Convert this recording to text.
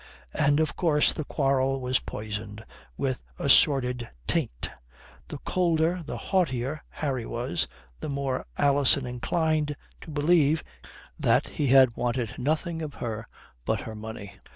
And of course the quarrel was poisoned with a sordid taint. The colder, the haughtier Harry was, the more Alison inclined to believe that he had wanted nothing of her but her money.